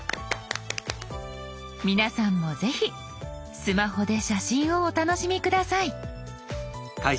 皆さんもぜひスマホで写真をお楽しみ下さい。